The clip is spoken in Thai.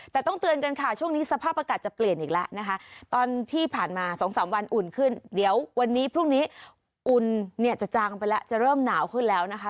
แต่ต้องเตือนกันค่ะช่วงนี้สภาพอากาศจะเปลี่ยนอีกแล้วนะคะตอนที่ผ่านมา๒๓วันอุ่นขึ้นเดี๋ยววันนี้พรุ่งนี้อุ่นเนี่ยจะจางไปแล้วจะเริ่มหนาวขึ้นแล้วนะคะ